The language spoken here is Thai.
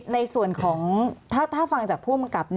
ในส่วนของถ้าฟังจากผู้อำกับ